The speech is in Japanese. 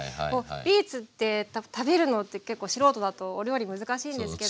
ビーツって食べるのって結構素人だとお料理難しいんですけど。